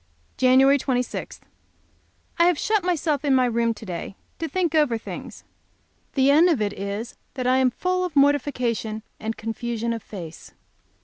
Jan. 26. I have shut myself up in my room to day to think over things. The end of it is that I am full of mortification and confusion of face.